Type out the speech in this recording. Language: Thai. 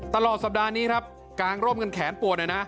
ตลอดสัปดาห์นี้ครับกางร่มกันแขนปวดเลยนะ